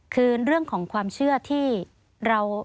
คือเรื่องของความเชื่อที่เรา